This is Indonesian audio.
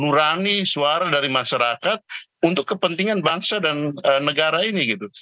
nurani suara dari masyarakat untuk kepentingan bangsa dan negara ini gitu